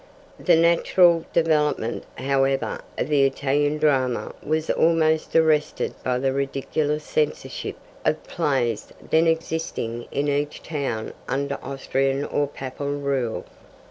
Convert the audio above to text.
The natural development, however, of the Italian drama was almost arrested by the ridiculous censorship of plays then existing in each town under Austrian or Papal rule.